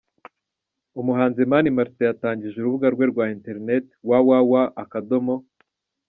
Umuhanzi Mani Martin yatangije urubuga rwe rwa internet www.